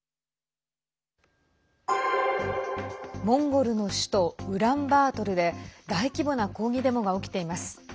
モンゴルの首都ウランバートルで大規模な抗議デモが起きています。